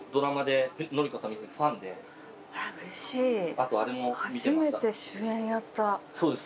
あとあれも見てました。